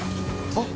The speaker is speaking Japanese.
・あっ！！